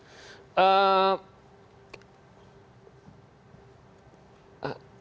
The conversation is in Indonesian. kondisi yang terjadi sekarang sebenarnya pernah